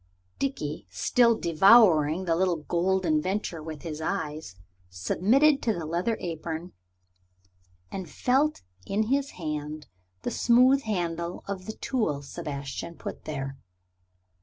Dickie, still devouring the little Golden Venture with his eyes, submitted to the leather apron, and felt in his hand the smooth handle of the tool Sebastian put there.